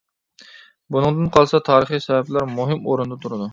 بۇنىڭدىن قالسا تارىخىي سەۋەبلەر مۇھىم ئورۇندا تۇرىدۇ.